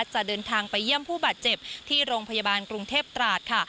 จะเดินทางไปเยี่ยมผู้บาดเจ็บที่โรงพยาบาลกรุงเทพตราดค่ะ